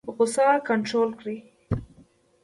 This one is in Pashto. غوسه کنټرول کړئ